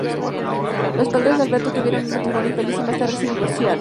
Los padres de Alberto tuvieron un matrimonio infeliz y más tarde se divorciaron.